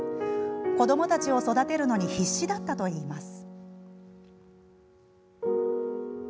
子どもたちを育てるのに必死だったといいます。